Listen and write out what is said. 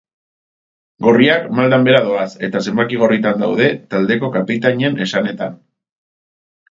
Gorriak maldan behera doaz eta zenbaki gorritan daude, taldeko kapitainen esanetan.